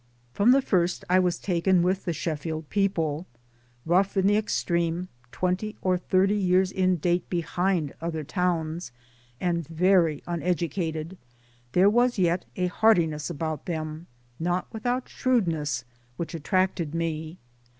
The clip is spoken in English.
From the first I was taken with the Sheffield people. Rough in the extreme, twenty or thirty years in date behind 1 other towns, and very unedu cated, there was yet a heartiness about them, not without shrewdness, which attracted me.